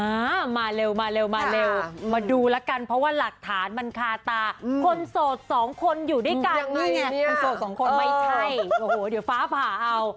อามาเร็วเมื่อดูแล้วกันเพราะว่าหลักฐานมันคาตาคนโสด๒คนอยู่ด้วยกัน